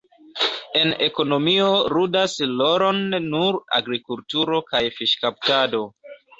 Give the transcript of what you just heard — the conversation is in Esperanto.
En ekonomio ludas rolon nur agrikulturo kaj fiŝkaptado.